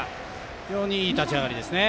非常にいい立ち上がりですね。